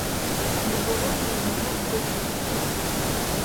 Не було ні одного вбитого.